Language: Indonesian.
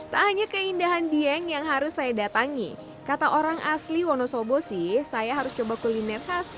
wow yummy dengan pemandangan alam yang indah ternyata telur rebus ini menjadi luar biasa